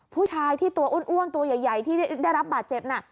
ผู้ชายที่ตัวอ้วนตัวใหญ่ที่ได้รับบาดเจ็บน่ะ